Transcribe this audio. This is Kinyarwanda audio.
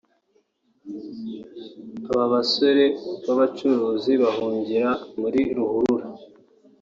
Aba basore b’abacuruzi bahungira muri Ruhurura